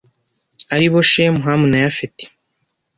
ari bo Shemu Hamu na Yafeti